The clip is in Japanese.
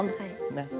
ねっ。